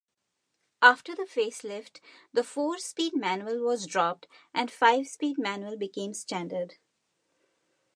After the facelift, the four-speed manual was dropped, and five-speed manual became standard.